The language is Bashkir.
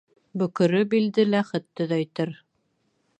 Бөкөрө билде ләхет төҙәйтер.